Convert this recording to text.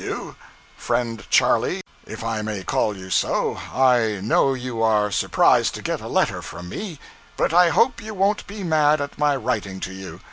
W friend Charlie if i may call you so: i no you are surprised to get a letter from me, but i hope you won't be mad at my writing to you.